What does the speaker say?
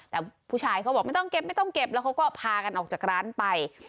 แต่ผู้ชายเขาบอกไม่ต้องเก็บแล้วเขาก็พากันออกจากร้านไป